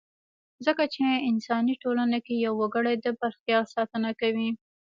ځکه چې انساني ټولنه کې يو وګړی د بل خیال ساتنه کوي.